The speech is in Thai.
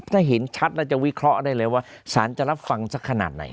ถ้าเห็นชัดแล้วจะวิเคราะห์ได้เลยว่าสารจะรับฟังสักขนาดไหน